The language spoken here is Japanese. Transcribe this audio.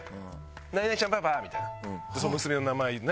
「何々ちゃんパパ」みたいな娘の名前。